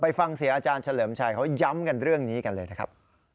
ฟังเสียอาจารย์เฉลิมชัยเขาย้ำกันเรื่องนี้กันเลยนะครับ